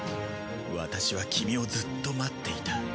私は君をずっと待っていた。